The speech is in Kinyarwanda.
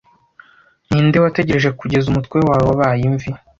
Ninde wategereje kugeza umutwe wawe wabaye imvi,